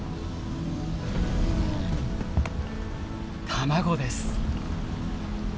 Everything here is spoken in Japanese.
卵です。